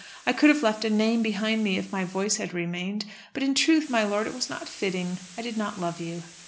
I could have left a name behind me if my voice had remained. But, in truth, my lord, it was not fitting. I did not love you."